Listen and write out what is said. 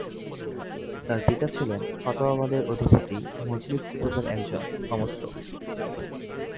তাঁর পিতা ছিলেন ফতেয়াবাদের অধিপতি মজলিস কুতুবের একজন অমাত্য।